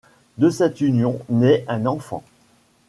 De cette union, naît un enfant.